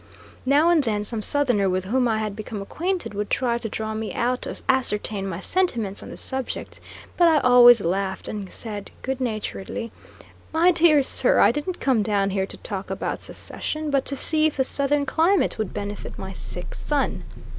Now and then some southerner with whom I had become acquainted would try to draw me out to ascertain my sentiments on the subject, but I always laughed, and said good naturedly: "My dear sir, I didn't come down here to talk about secession, but to see if the southern climate would benefit my sick son."